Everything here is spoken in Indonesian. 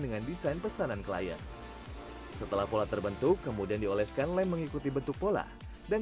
dengan desain pesanan klien setelah pola terbentuk kemudian dioleskan lem mengikuti bentuk pola dan